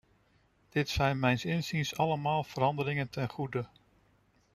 Dit zijn mijns inziens allemaal veranderingen ten goede.